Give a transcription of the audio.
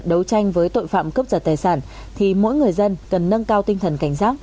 đấu tranh với tội phạm cướp giật tài sản thì mỗi người dân cần nâng cao tinh thần cảnh giác